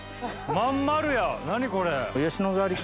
真ん丸や何これ？